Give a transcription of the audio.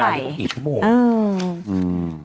ก็อีกชั่วโมง